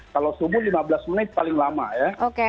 kalau subuh lima belas menit paling lama ya